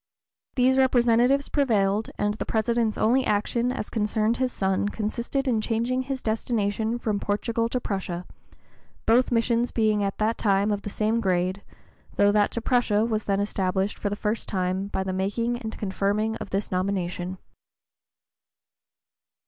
These representations prevailed; and the President's only action as concerned his son consisted in changing his destination from Portugal to Prussia, both missions being at that time of the same grade, though that to Prussia was then established for the first time by the making and confirming of this nomination.